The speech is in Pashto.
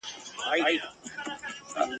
د غلیم جنګ ته وروتلي تنها نه سمیږو !.